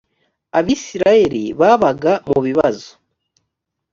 abisirayeli babaga mubibazo.